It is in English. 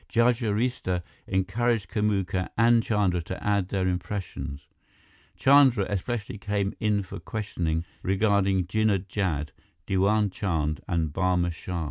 Judge Arista encouraged Kamuka and Chandra to add their impressions. Chandra, especially, came in for questioning regarding Jinnah Jad, Diwan Chand, and Barma Shah.